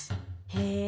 へえ。